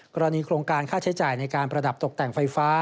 กรณีโครงการค่าใช้จ่ายในการประดับตกแต่งไฟฟ้า